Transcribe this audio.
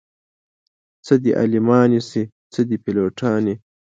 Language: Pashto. څه دې عالمانې شي څه دې پيلوټانې